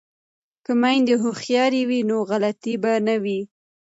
که میندې هوښیارې وي نو غلطي به نه وي.